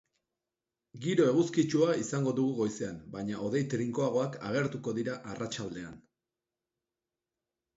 Giro eguzkitsua izango dugu goizean, baina hodei trinkoagoak agertuko dira arratsaldean.